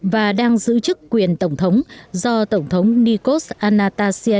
và đang giữ chức quyền tổng thống do tổng thống nikos anastasiadis đi vắng